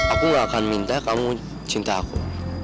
aku gak akan minta kamu cinta aku